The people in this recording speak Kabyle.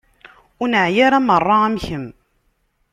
Ur neεya ara merra am kemm.